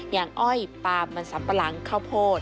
อย่างอ้อยปามันสัมปรังเข้าโพธิ